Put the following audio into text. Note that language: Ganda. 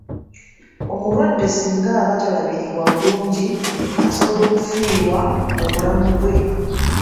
Omulwadde singa aba talabiriddwa bulungi asobola okufiirwa obulamu bwe.